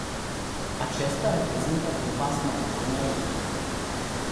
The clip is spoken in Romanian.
Acesta reprezintă un pas major înainte.